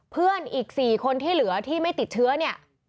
เพื่อนอีก๔คนที่เหลือที่ไม่ติดเชื้อเนี่ย